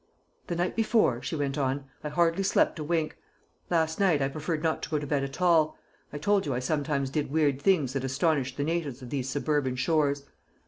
"The night before," she went on, "I hardly slept a wink; last night I preferred not to go to bed at all. I told you I sometimes did weird things that astonished the natives of these suburban shores.